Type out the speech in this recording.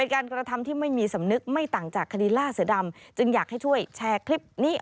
ครับ